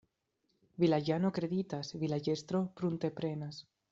Vilaĝano kreditas, vilaĝestro prunteprenas.